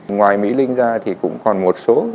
ngoài mỹ linh ra thì cũng còn một nội lực tuyệt vời